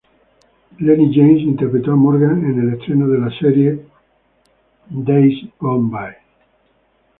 Lennie James interpretó a Morgan en el estreno de la serie "Days Gone Bye".